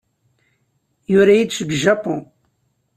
Yura-iyi-d seg Japun.